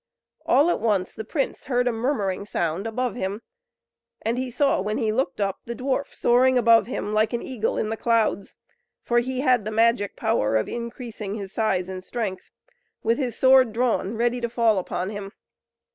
All at once the prince heard a murmuring sound above him, and he saw when he looked up, the dwarf soaring above him, like an eagle in the clouds for he had the magic power of increasing his size and strength with his sword drawn, ready to fall upon him.